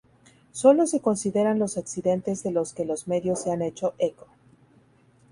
Solo se consideran los accidentes de los que los medios se han hecho eco.